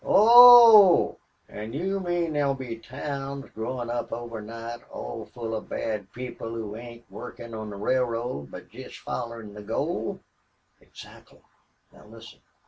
"Oho! An' you mean thar'll be towns grow up overnightall full of bad people who ain't workin' on the railroad, but jest followin' the gold?" "Exactly. Now listen.